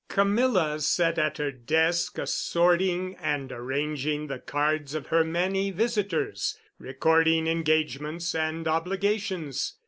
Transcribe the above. Camilla sat at her desk assorting and arranging the cards of her many visitors, recording engagements and obligations.